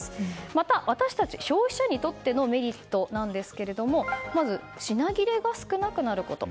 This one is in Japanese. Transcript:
また、私たち消費者にとってのメリットですがまず、品切れが少なくなること。